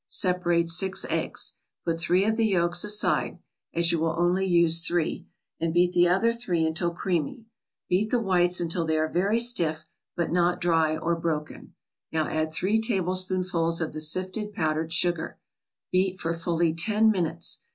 Separate six eggs. Put three of the yolks aside (as you will only use three), and beat the other three until creamy. Beat the whites until they are very stiff but not dry or broken. Now add three tablespoonfuls of the sifted powdered sugar. Beat for fully ten minutes.